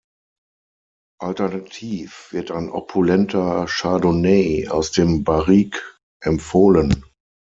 Alternativ wird ein opulenter Chardonnay aus dem Barrique empfohlen.